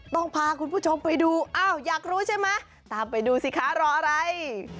พาคุณผู้ชมไปดูอ้าวอยากรู้ใช่ไหมตามไปดูสิคะรออะไร